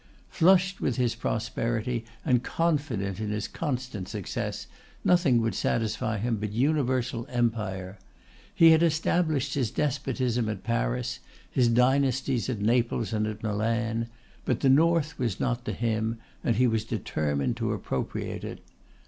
Flushed with his prosperity, and confident in his constant success, nothing would satisfy him but universal empire. He had established his despotism at Paris, his dynasties at Naples and at Milan; but the North was not to him, and he was determined to appropriate it.